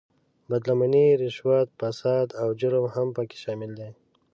بد لمنۍ، رشوت، فساد او جرم هم په کې شامل دي.